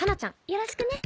よろしくね。